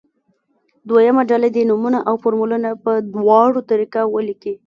دویمه ډله دې نومونه او فورمولونه په دواړو طریقه ولیکي.